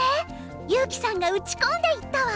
悠生さんが打ち込んでいったわ。